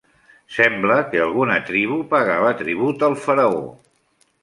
Sembla que alguna tribu pagava tribut al faraó.